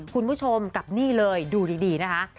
คุณผู้ชมกับนี่เลยดูดีนะคะ